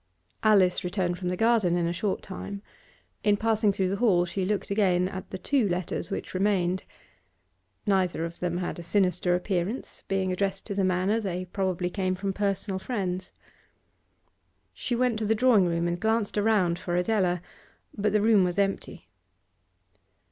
Alice returned from the garden in a short time. In passing through the hall she looked again at the two letters which remained. Neither of them had a sinister appearance; being addressed to the Manor they probably came from personal friends. She went to the drawing room and glanced around for Adela, but the room was empty.